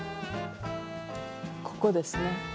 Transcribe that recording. ここですね。